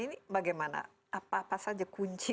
ini bagaimana apa apa saja kunci